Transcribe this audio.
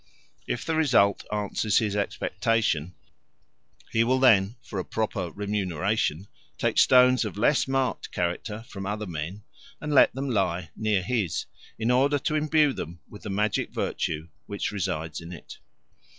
If the result answers his expectation, he will then, for a proper remuneration, take stones of less marked character from other men and let them lie near his, in order to imbue them with the magic virtue which resides in it.